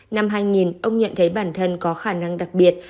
năm hai nghìn ông nhận thấy bản thân có khả năng đặc biệt